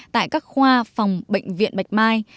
tại các khoa phòng bệnh viện bạch mai